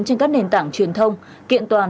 trên các nền tảng truyền thông kiện toàn